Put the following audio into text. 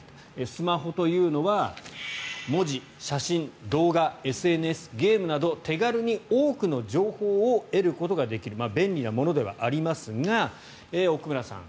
スマホというのは文字、写真、動画ＳＮＳ、ゲームなど手軽に多くの情報を得ることができる便利なものではありますが奥村さん